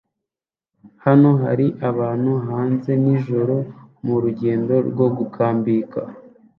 Hano hari abantu hanze nijoro murugendo rwo gukambika